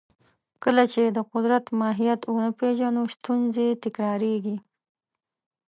کله چې د قدرت ماهیت ونه پېژنو، ستونزې تکراریږي.